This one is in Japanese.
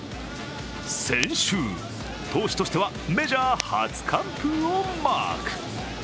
先週、投手としてはメジャー初完封をマーク。